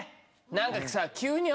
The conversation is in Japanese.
何かさ。